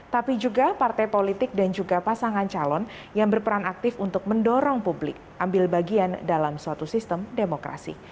tapi juga partai politik dan juga pasangan calon yang berperan aktif untuk mendorong publik ambil bagian dalam suatu sistem demokrasi